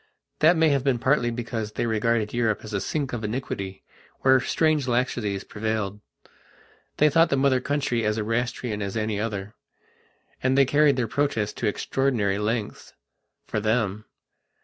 That may have been partly because they regarded Europe as a sink of iniquity, where strange laxities prevailed. They thought the Mother Country as Erastian as any other. And they carried their protests to extraordinary lengths, for them....